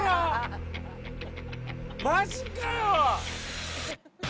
マジかよ！